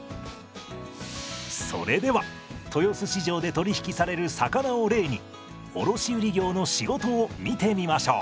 それでは豊洲市場で取り引きされる魚を例に卸売業の仕事を見てみましょう。